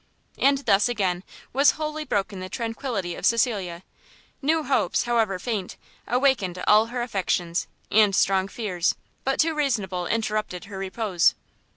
And thus, again, was wholly broken the tranquility of Cecilia; new hopes, however faint, awakened all her affections, and strong fears, but too reasonable, interrupted her repose.